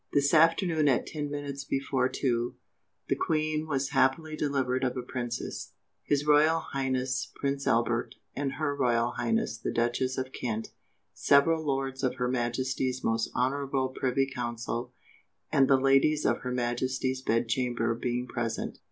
"This afternoon, at ten minutes before two, the Queen was happily delivered of a Princess, His Royal Highness Prince Albert, Her Royal Highness the Duchess of Kent, several Lords of Her Majesty's Most Honourable Privy Council, and the Ladies of Her Majesty's Bed chamber being present.